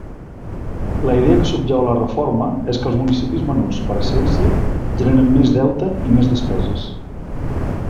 La idea que subjau a la reforma és que els municipis menuts, per essència, generen més deute i més despeses.